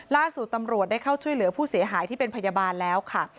ล่าสุดตำรวจได้เข้าช่วยเหลือผู้เสียหายที่เป็นพยาบาลแล้วค่ะ